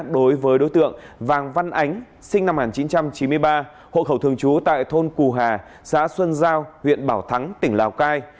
đối với đối tượng vàng văn ánh sinh năm một nghìn chín trăm chín mươi ba hộ khẩu thường trú tại thôn cù hà xã xuân giao huyện bảo thắng tỉnh lào cai